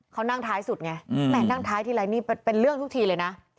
เขานั่งท้ายสุดไงแม่นั่งท้ายทีไรนี่เป็นเรื่องทุกทีเลยนะ